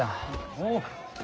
おう。